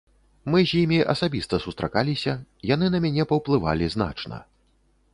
Мы з імі асабіста сустракаліся, яны на мяне паўплывалі значна.